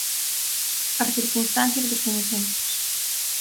As circunstancias descoñecémolas.